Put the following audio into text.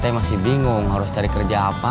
kalo sete masih bingung harus cari kerja apa